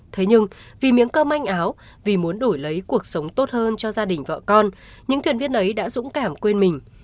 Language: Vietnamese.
thế nhưng vì miếng cơm manh áo vì muốn đổi lấy cuộc sống tốt hơn cho gia đình vợ con những thuyền viên ấy đã dũng cảm quên mình